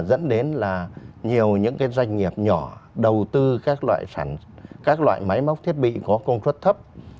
dẫn đến là nhiều những cái doanh nghiệp nhỏ đầu tư các loại máy móc thiết bị có công suất thấp